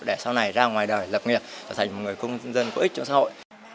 để sau này ra ngoài đời lập nghiệp và thành một người công dân có ích trong xã hội